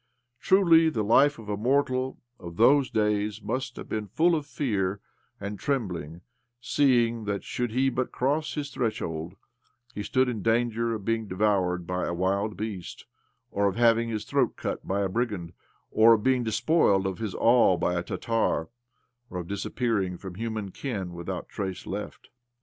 Truly the life of a mortal of those days must have been full of fear and trembling, seeing that, should he but cross his threshold, he stood in danger of being devoured by a wild beast, or of having his throat cut by a brigand, or of being despoiled of his all by a Tartar, or of disappearing from human ken without trace left